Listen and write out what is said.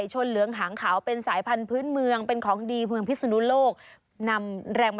จนถึง๑๕มิถุนายน